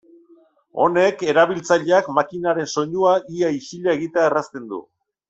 Honek erabiltzaileak makinaren soinua ia isila egitea errazten du.